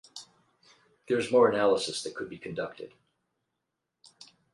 There is more analysis that could be conducted.